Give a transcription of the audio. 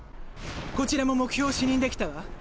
こちらも目標を視認できたわ。